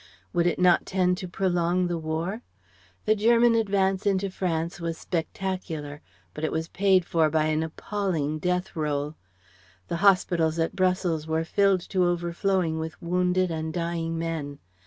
Would it not tend to prolong the War? The German advance into France was spectacular, but it was paid for by an appalling death roll. The hospitals at Brussels were filled to overflowing with wounded and dying men.